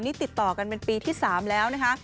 นี่ติดต่อกันเป็นปีที่๓แล้วนะคะ